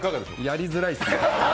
やりづらいですね。